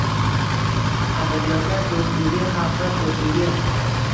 Adabiyotlar doʻstligi – xalqlar doʻstligi